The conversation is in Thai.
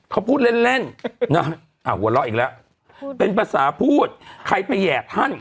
เขาพูดเล่นเล่นนะหัวเราะอีกแล้วเป็นภาษาพูดใครไปแห่ท่าน